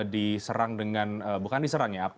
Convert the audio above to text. diserang dengan bukan diserang ya